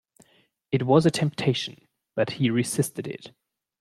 It was a temptation, but he resisted it.